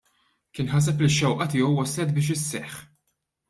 Kien ħaseb li x-xewqa tiegħu waslet biex isseħħ.